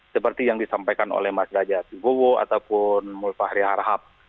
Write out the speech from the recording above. seperti yang disampaikan oleh mas derajat wibowo ataupun mulfahri harhab